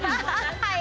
はい。